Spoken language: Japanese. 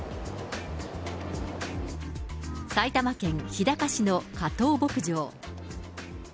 埼玉県日高市の加藤牧場。